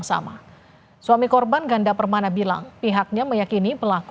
sama suami korban ganda permana bilang pihaknya meyakini pelaku